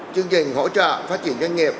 chương trình hỗ trợ phát triển doanh nghiệp